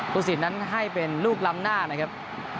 ผู้สินนั้นให้เป็นลูกล้ำหน้านะครับ